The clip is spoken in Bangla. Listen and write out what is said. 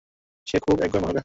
সে খুবই একগুঁয়ে মহিলা।